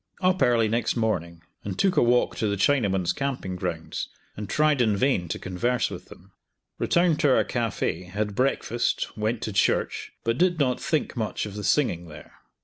Up early next morning and took a walk to the Chinamen's camping grounds, and tried in vain to converse with them. Returned to our cafe, had breakfast, went to church, but did not think much of the singing there.